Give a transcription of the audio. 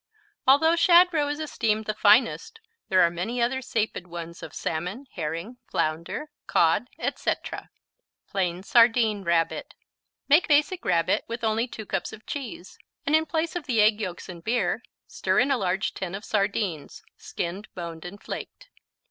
Although shad roe is esteemed the finest, there are many other sapid ones of salmon, herring, flounder, cod, etc. Plain Sardine Rabbit Make Basic Rabbit with only 2 cups of cheese, and in place of the egg yolks and beer, stir in a large tin of sardines, skinned, boned and flaked.